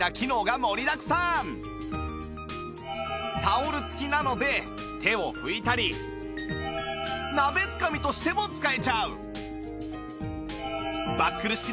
タオル付きなので手を拭いたり鍋つかみとしても使えちゃう